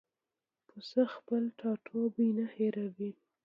پسه خپل ټاټوبی نه هېروي.